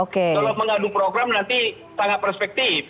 kalau mengadu program nanti sangat perspektif